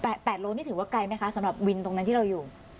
แปดโลนี่ถือว่าไกลไหมคะสำหรับวินตรงนั้นที่เราอยู่